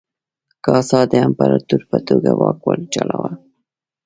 کاسا د امپراتور په توګه واک چلاوه.